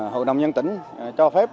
hội đồng nhân tỉnh cho phép